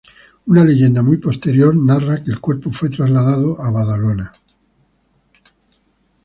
Una leyenda muy posterior narra que el cuerpo fue trasladado a Badalona.